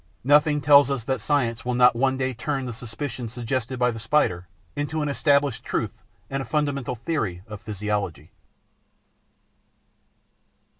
Nothing tells us that science will not one day turn the suspicion suggested by the Spider into an established truth and a fundamental theory of physiology.